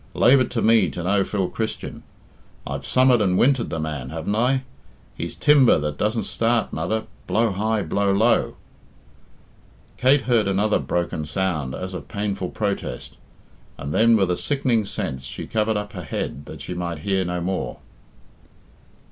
Lave it to me to know Phil Christian. I've summered and wintered the man, haven't I? He's timber that doesn't start, mother, blow high, blow low." Kate heard another broken sound as of painful protest, and then with a sickening sense she covered up her head that she might hear no more.